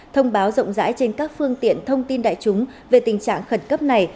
thông báo rộng rãi trên các phương tiện thông tin đại chúng về tình trạng khẩn cấp này